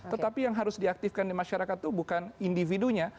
tetapi yang harus diaktifkan di masyarakat itu bukan individunya